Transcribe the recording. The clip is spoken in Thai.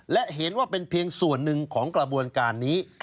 และเห็นว่าเป็นเพียงส่วนหนึ่งของกระบวนการนี้